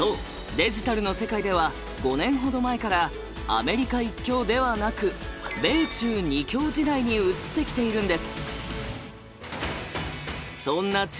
デジタルの世界では５年ほど前からアメリカ１強ではなく米中２強時代に移ってきているんです。